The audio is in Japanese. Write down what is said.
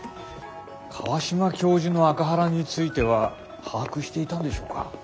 川島教授のアカハラについては把握していたんでしょうか？